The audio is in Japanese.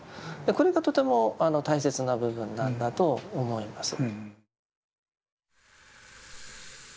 これがとても大切な部分なんだと思います。